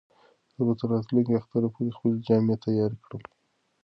زه به تر راتلونکي اختر پورې خپلې جامې تیارې کړم.